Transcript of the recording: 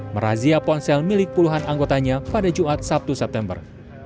merazia ponsel milik puluhan anggotanya pada jumat sabtu september